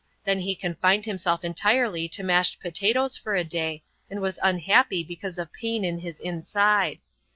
Then he confined himself entirely to mashed potatoes for a day, and was unhappy because of pain in his inside.